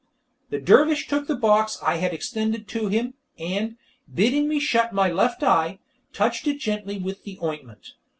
The dervish took the box I had extended to him, and, bidding me shut my left eye, touched it gently with the ointment.